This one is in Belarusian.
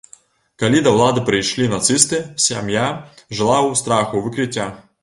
Калі да ўлады прыйшлі нацысты, сям'я жыла ў страху выкрыцця.